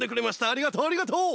ありがとうありがとう！